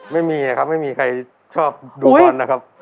ไม่มีครับไม่มีใครชอบดูบอลนะครับ